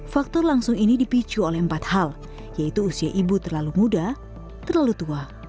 faktor langsung ini dipicu oleh empat hal yaitu usia ibu terlalu muda terlalu tua